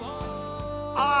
ああ！